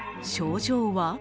症状は？